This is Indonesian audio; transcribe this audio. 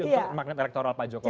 untuk magnet elektoral pak jokowi